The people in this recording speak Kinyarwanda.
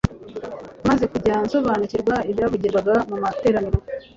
Maze kujya nsobanukirwa ibyavugirwaga mu materaniro